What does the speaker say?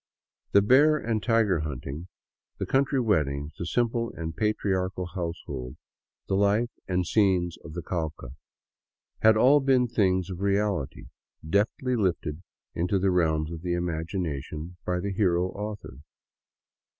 The bear and tiger hunting, the country weddings, the simple and patriarchal household, the life and scenes of the Cauca, had all been things of reality, deftly lifted into the realms of the imagination by the hero author.